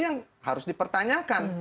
yang harus dipertanyakan